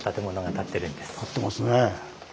建ってますね。